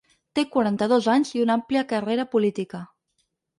Té quaranta-dos anys i una àmplia carrera política.